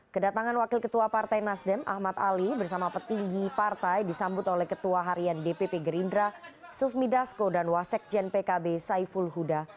kedatangan wakil ketua partai nasdem ahmad ali bersama petinggi partai disambut oleh ketua harian dpp gerindra sufmi dasko dan wasekjen pkb saiful huda